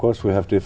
rất thú vị